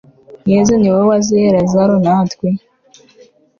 yezu ni wowe wazuye lazaro, natwe